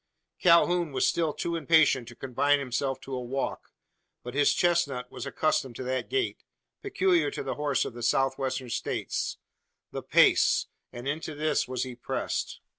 Calhoun was still too impatient to confine himself to a walk; but his chestnut was accustomed to that gait, peculiar to the horse of the South Western States the "pace"; and into this was he pressed.